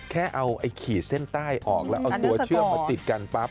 แค่เอาไอ้ขีดเส้นใต้ออกแล้วเอาตัวเชื่อมมาติดกันปั๊บ